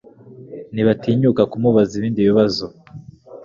ntibatinyuka kumubaza ibindi bibazo.